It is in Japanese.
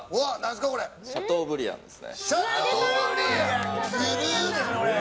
シャトーブリアンです。